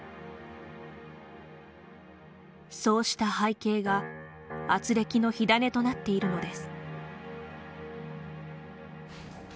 そうした背景が、あつれきの火種となっているのです。